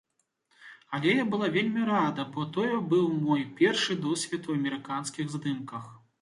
Але я была вельмі рада, бо тое быў мой першы досвед у амерыканскіх здымках.